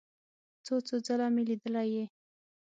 څو څو ځله مې لیدلی یې.